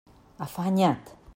Afanya't!